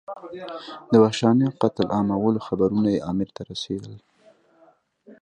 د وحشیانه قتل عامونو خبرونه یې امیر ته رسېدل.